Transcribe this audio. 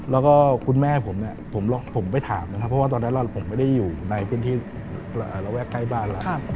แล้วก็คุณแม่ผมเนี่ยผมไปถามนะครับเพราะว่าตอนนั้นผมไม่ได้อยู่ในพื้นที่ระแวกใกล้บ้านแล้ว